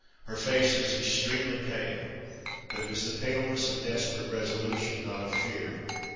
Her face was extremely pale, but it was the paleness of desperate resolution, not of fear.